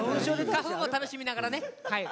花粉も楽しみながらねはい。